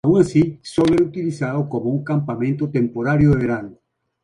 Aun así solo era utilizado como un campamento temporario de verano.